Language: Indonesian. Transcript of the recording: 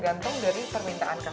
untuk guest set